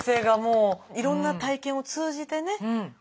いろんな体験を通じてね